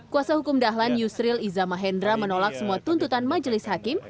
kuasa hukum dahlan yusril iza mahendra menolak semua tuntutan majelis hakim